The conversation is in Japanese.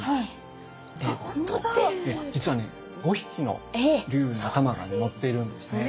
実はね５匹の龍の頭がね乗っているんですね。